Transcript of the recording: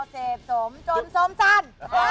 เซฟสมจนสมสั่น